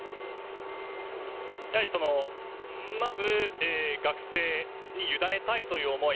やはり学生に委ねたいという思い